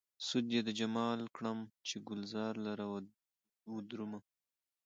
سود يې د جمال کړم، چې ګلزار لره ودرومم